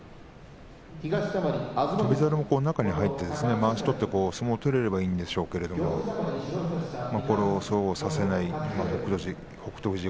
翔猿も中に入ってまわしを取って相撲が取れればいいんでしょうけれどそれをそうさせない北勝富士。